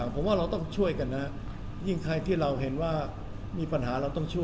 หรือคิดที่เราจะ